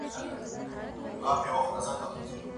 که تدبیر وي نو پښیماني نه راځي.